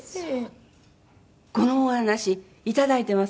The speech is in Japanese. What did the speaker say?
このお話いただいてます